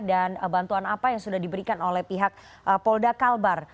dan bantuan apa yang sudah diberikan oleh pihak polda kalbar